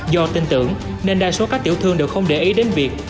do tin tưởng nên đa số các tiểu thương đều không để ý đến việc